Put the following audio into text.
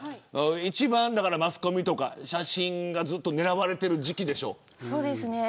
一番マスコミとか、写真がずっと狙われてる時期でしょう。